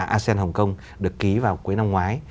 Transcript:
asean hồng kông được ký vào cuối năm ngoái